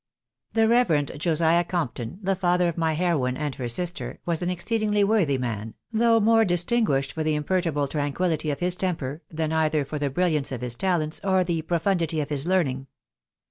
The Reverend Josiah Compton, the father of my heroine and her sister, was an exceedingly worthy man, though more distinguished for the imperturbable tranquillity of his temper, than either for the brilliance of his talents or the profundity of his learning.